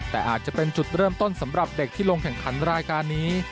แต่อาจจะเป็นจุดเริ่มต้นสำหรับเด็กที่ลงแข่งขันรายการนี้